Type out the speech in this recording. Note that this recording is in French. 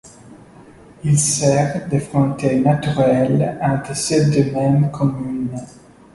Il sert de frontière naturelle entre ces deux mêmes communes.